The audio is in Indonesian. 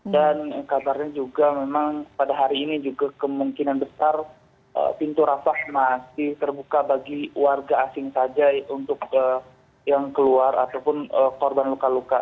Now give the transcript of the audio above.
dan kabarnya juga memang pada hari ini juga kemungkinan besar pintu rafah masih terbuka bagi warga asing saja untuk yang keluar ataupun korban luka luka